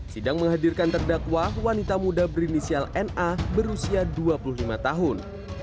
sidang menghadirkan terdakwa wanita muda berinisial na berusia dua puluh lima tahun